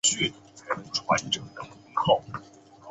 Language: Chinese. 毛氏远环蚓为巨蚓科远环蚓属下的一个种。